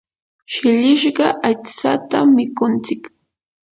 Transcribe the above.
shillishqa aytsatam mikuntsik.